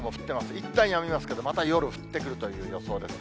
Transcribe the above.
いったんやみますけど、また夜降ってくるという予想ですね。